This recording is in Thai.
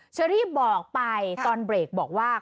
เชอรี่บอกไปตอนเบรกบอกว่า